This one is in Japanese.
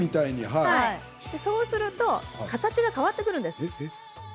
そうすると形が変わってくるんです。